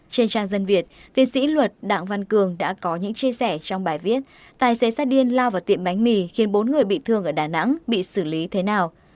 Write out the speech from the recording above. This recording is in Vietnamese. trên trang dân việt tiến sĩ luật đặng văn cường đã có những chia sẻ trong bài viết tài xế sát điên lao vào tiệm bánh mì khiến bốn người bị thương ở đà nẵng bị xử lý thế nào